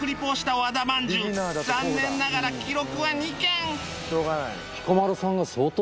残念ながら記録は２軒